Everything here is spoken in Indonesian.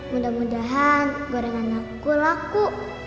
mudah mudahan gorengan aku laku